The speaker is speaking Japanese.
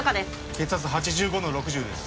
血圧８５の６０です